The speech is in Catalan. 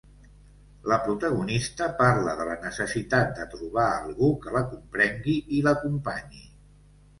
La protagonista parla de la necessitat de trobar a algú que la comprengui i l'acompanyi.